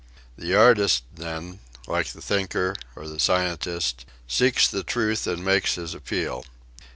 The artist, then, like the thinker or the scientist, seeks the truth and makes his appeal.